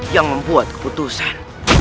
yang membuat keputusan